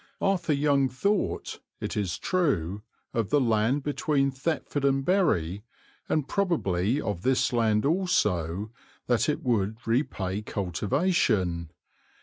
Arthur Young thought, it is true, of the land between Thetford and Bury, and probably of this land also, that it would repay cultivation.